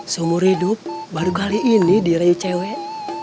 seumur hidup baru kali ini dirayu cewek